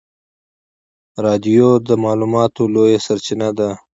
رادیو د معلوماتو لویه سرچینه ده.